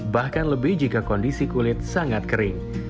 bahkan lebih jika kondisi kulit sangat kering